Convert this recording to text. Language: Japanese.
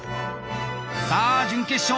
さあ準決勝